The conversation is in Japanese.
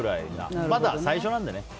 まだ最初なんでね。